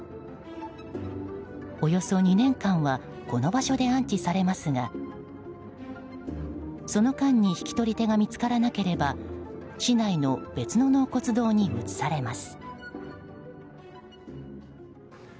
およそ２年間はこの場所で安置されますがその間に引き取り手が見つからなければ市内の別の納骨堂に移されます。